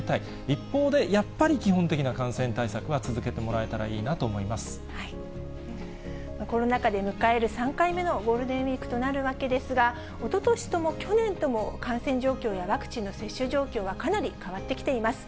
一方で、やっぱり基本的な感染対策は続けてもらえたらいいなと思コロナ禍で迎える３回目のゴールデンウィークとなるわけですが、おととしとも去年とも、感染状況やワクチンの接種状況はかなり変わってきています。